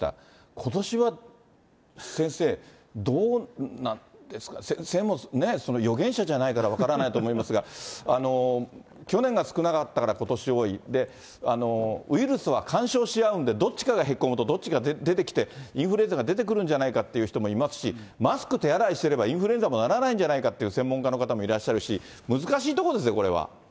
ことしは先生、どうなんですか、先生も、予言者じゃないから分からないと思いますが、去年が少なかったから、ことし多い、ウイルスは干渉し合うんで、どっちかがへこむとどっちかが出てきて、インフルエンザが出てくるんじゃないかっていう人もいますし、マスク、手洗いすれば、インフルエンザもならないんじゃないかっていう専門家の方もいらっしゃるし、難しいところですよね、これは。